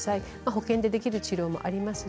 保険でできる治療もあります。